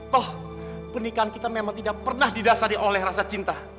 toh pernikahan kita memang tidak pernah didasari oleh rasa cinta